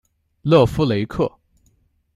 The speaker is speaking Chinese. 勒夫雷克。